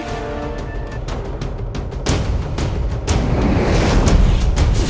kau akan menang